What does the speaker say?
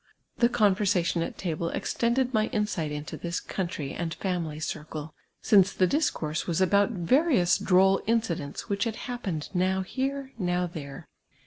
The conversation at table extended my insight into this countiy and family circle, since the discourse was about vari ous droll incidents which had hap})ened now here, now there.